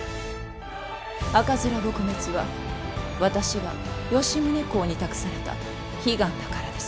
赤面撲滅は私が吉宗公に託された悲願だからです。